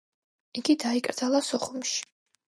იგი დაიკრძალა სოხუმში.